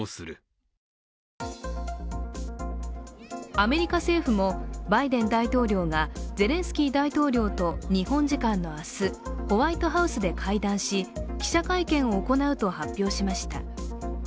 アメリカ政府もバイデン大統領がゼレンスキー大統領と日本時間の明日、ホワイトハウスで会談し、記者会見を行うと発表しました。